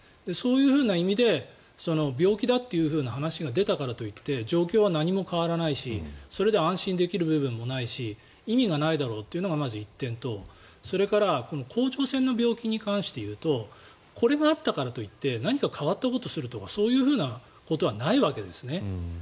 そういうふうな意味で病気だという話が出たからといって状況は何も変わらないしそれで安心できる部分もないし意味がないだろうというのがまず１点とそれからこの甲状腺の病気に関して言うとこれがあったからといって何か変わったことをするとかそういうふうなことはないわけですね。